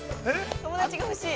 ◆友達が欲しい。